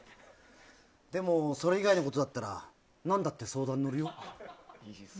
でもそれ以外のことだったら何だって相談乗るよ。